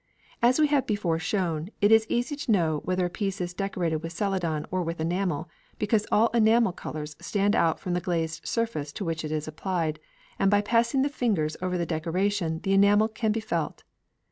As we have before shown, it is easy to know whether a piece is decorated with Celadon or with enamel, because all enamel colours stand out from the glazed surface to which it is applied, and by passing the fingers over the decoration the enamel can be felt.